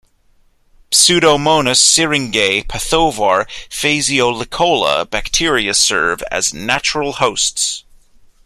Pseudomonas syringae pathovar "phaseolicola" bacteria serve as natural hosts.